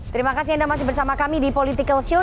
terima kasih anda masih bersama kami di political show